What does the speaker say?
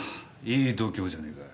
いい度胸じゃねえか。